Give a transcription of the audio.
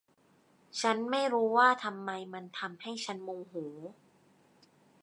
ฉันไม่รู้ว่าทำไมมันทำให้ฉันโมโห